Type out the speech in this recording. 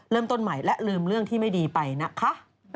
เริ่มต้นใหม่และลืมเรื่องที่ไม่ดีไปนะคะ